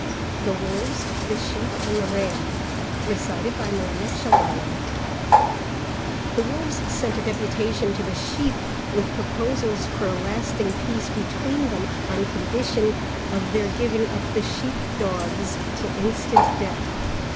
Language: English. THE WOLVES, THE SHEEP, AND THE RAM The Wolves sent a deputation to the Sheep with proposals for a lasting peace between them, on condition of their giving up the sheep dogs to instant death.